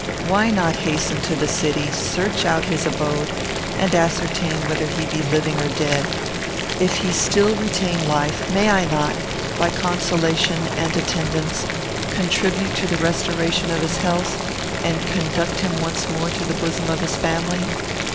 Why not hasten to the city, search out his abode, and ascertain whether he be living or dead? If he still retain life, may I not, by consolation and attendance, contribute to the restoration of his health, and conduct him once more to the bosom of his family?